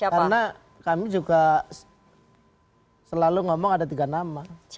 karena kami juga selalu ngomong ada tiga nama